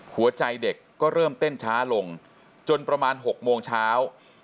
หัวใจเด็กก็เริ่มเต้นช้าลงจนประมาณ๖โมงเช้า